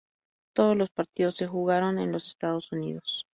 Todos los partidos se jugaron en los Estados Unidos.